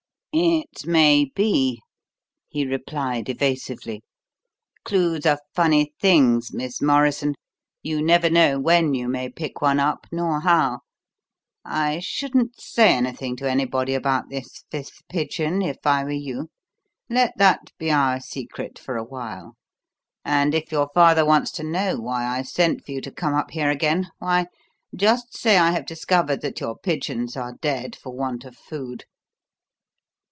"It may be," he replied evasively. "Clues are funny things, Miss Morrison; you never know when you may pick one up, nor how. I shouldn't say anything to anybody about this fifth pigeon if I were you. Let that be our secret for awhile; and if your father wants to know why I sent for you to come up here again why, just say I have discovered that your pigeons are dead for want of food."